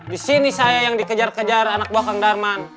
di sini saya yang dikejar kejar anak buah kandarman